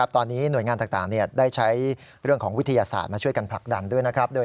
ตอนนี้หน่วยงานต่างได้ใช้เรื่องของวิทยาศาสตร์มาช่วยกันผลักดันด้วยนะครับ